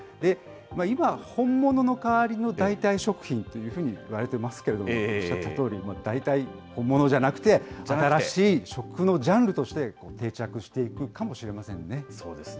今、本物の代わりの代替食品っていうふうにいわれていますけれども、おっしゃったとおり、代替物じゃなくて、新しい食のジャンルとして定着していくかもしれませそうですね。